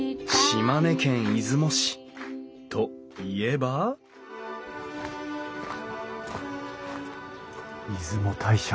島根県出雲市といえば出雲大社。